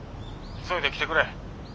急いで来てくれ。